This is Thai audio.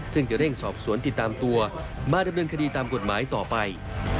ซึ่งจะเร่งสอบสวนติดตามตัวมาดำเนินคดีตามกฎหมายต่อไป